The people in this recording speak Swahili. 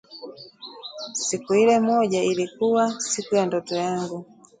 Siku ile moja, ilikuwa siku ya ndoto yangu